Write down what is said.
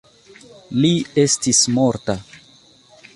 Li estis morta.